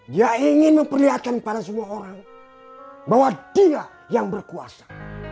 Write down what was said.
dia ingin memperlihatkan pada semua orang bahwa dia yang berkuasa